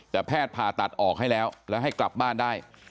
แต่แพทย์ผ่าตัดออกให้แล้วแล้วให้กลับบ้านได้